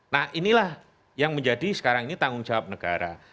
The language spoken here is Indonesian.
nah inilah yang menjadi sekarang ini tanggung jawab negara